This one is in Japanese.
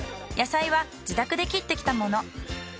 野菜は自宅で切ってきたもの。